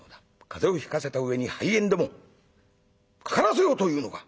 風邪をひかせた上に肺炎でもかからせようというのか！